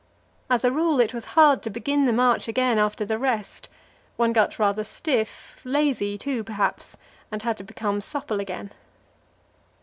As a rule it was hard to begin the march again after the rest; one got rather stiff lazy, too, perhaps and had to become supple again.